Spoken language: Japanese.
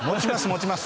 持ちます。